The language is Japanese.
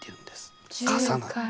重なる。